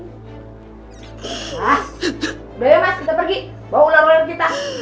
udah ya mas kita pergi